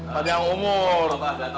tadi yang umur